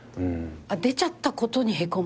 出ちゃったことにへこむの？